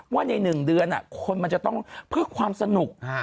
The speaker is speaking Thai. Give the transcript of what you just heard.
ว่าใน๑เดือนคนมันจะต้องเพื่อความสนุก